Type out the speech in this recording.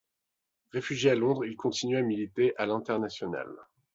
Réfugié à Londres, il continue de militer à l'Internationale.